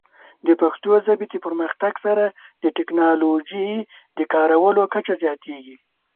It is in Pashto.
د پښتو ژبې د پرمختګ سره، د ټیکنالوجۍ د کارولو کچه زیاتېږي.